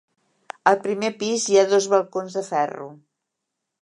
Al primer pis hi ha dos balcons de ferro.